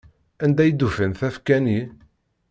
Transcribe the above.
Anda i d-ufan tafekka-nni?